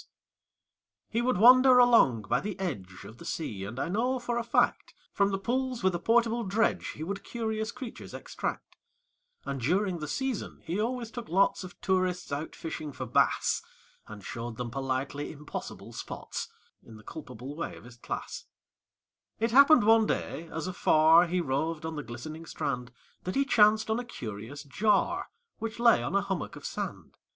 He would wander along by the edge Of the sea, and I know for a fact From the pools with a portable dredge He would curious creatures extract: And, during the season, he always took lots Of tourists out fishing for bass, And showed them politely impossible spots, In the culpable way of his class. It happened one day, as afar He roved on the glistening strand, That he chanced on a curious jar, Which lay on a hummock of sand.